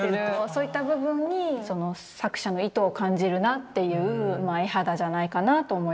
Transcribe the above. そういった部分にその作者の意図を感じるなっていう絵肌じゃないかなと思います。